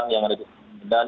yang ada di medan